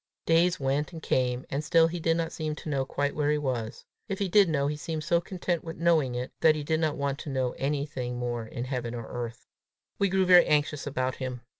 Days went and came, and still he did not seem to know quite where he was; if he did know, he seemed so content with knowing it, that he did not want to know anything more in heaven or earth. We grew very anxious about him.